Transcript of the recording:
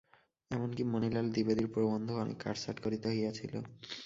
এমনি কি, মণিলাল দ্বিবেদীর প্রবন্ধও অনেক কাটছাঁট করিতে হইয়াছিল।